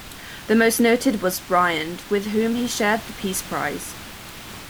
The most noted was Briand, with whom he shared the Peace Prize.